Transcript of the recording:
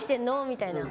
みたいな。